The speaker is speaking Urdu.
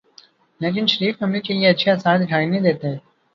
لیکن شریف فیملی کے لیے اچھے آثار دکھائی نہیں دیتے۔